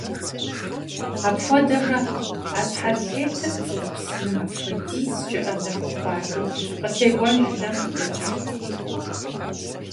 Апхуэдэурэ а щхьэлтетыр пцӀы упсыным апхуэдизкӀэ Ӏэзэ хуэхъуати, къытекӀуэн жылэм къыдэкӀыртэкъым.